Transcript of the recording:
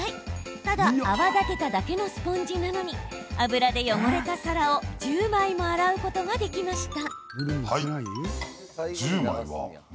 ただ泡立てただけのスポンジなのに油で汚れた皿を１０枚も洗うことができました。